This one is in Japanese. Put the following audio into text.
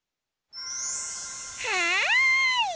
はい。